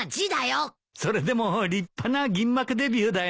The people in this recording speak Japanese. それでも立派な銀幕デビューだよ。